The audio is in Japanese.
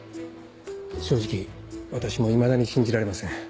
正直私もいまだに信じられません。